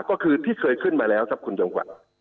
ก็คือที่เคยขึ้นมาแล้วครับคุณจำขวัญ